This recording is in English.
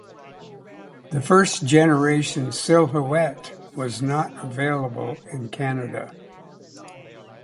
The first generation Silhouette was not available in Canada.